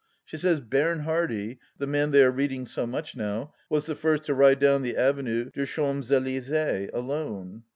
She says Bernhardi, the man they are reading so much now, was the first to ride down the Avenue des Champs Elysees — alone